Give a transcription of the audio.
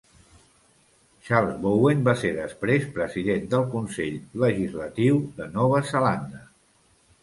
Charles Bowen va ser després president del Consell Legislatiu de Nova Zelanda.